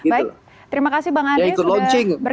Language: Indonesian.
baik terima kasih bang andre sudah bergabung bersama kami